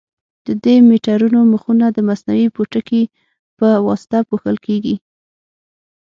د دې میټرونو مخونه د مصنوعي پوټکي په واسطه پوښل کېږي.